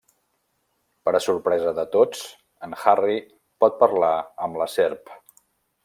Per a sorpresa de tots, en Harry pot parlar amb la serp.